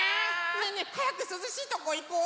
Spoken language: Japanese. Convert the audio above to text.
ねえねえはやくすずしいとこいこう！